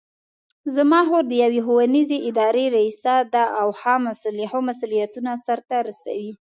زما خور د یوې ښوونیزې ادارې ریسه ده او ښه مسؤلیتونه سرته رسوي